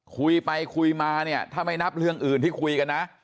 คุยไปคุยมาเนี่ยถ้าไม่นับเรื่องอื่นที่คุยกันนะ